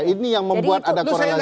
ini yang membuat ada korelasi